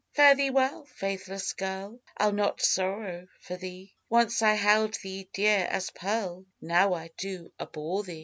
Fare thee well, faithless girl, I'll not sorrow for thee; Once I held thee dear as pearl, Now I do abhor thee.